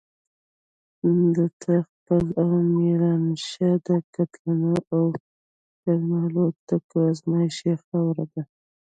دته خېل او ميرانشاه د قتلونو او ډرون الوتکو ازمايښتي خاوره ده.